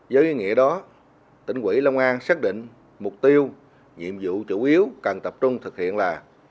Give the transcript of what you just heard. với ý nghĩa đó tỉnh quỹ long an xác định mục tiêu nhiệm vụ chủ yếu cần tập trung thực hiện là